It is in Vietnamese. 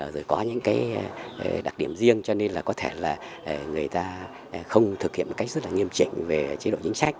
rồi có những đặc điểm riêng cho nên là có thể là người ta không thực hiện một cách rất nghiêm trình về chế độ chính sách